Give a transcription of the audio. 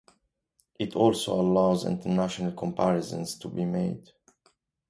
It also allows international comparisons to be made.